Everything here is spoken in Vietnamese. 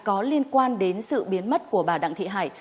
có liên quan đến sự biến mất của bà đặng thị hải